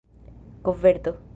koverto